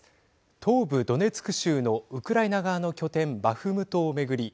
東部ドネツク州のウクライナ側の拠点バフムトを巡り